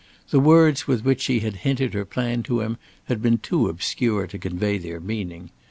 The words with which she had hinted her plan to him had been too obscure to convey their meaning.